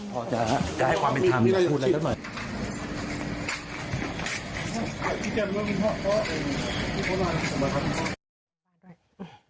พอจะได้ความเป็นธรรมพี่จะพูดอะไรกันหน่อย